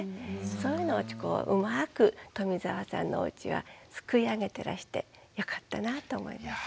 そういうのをうまく冨澤さんのおうちはすくい上げてらしてよかったなと思います。